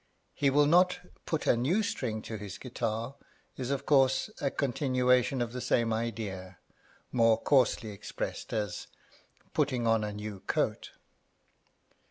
He will not put a new string to his guitar is, of course, a continuation of the same idea, more coarsely expressed as putting on a new coat.